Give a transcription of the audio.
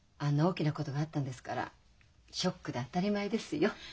大きなことがあったんですからショックで当たり前ですよ。